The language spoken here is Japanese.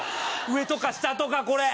上とか下とかこれ。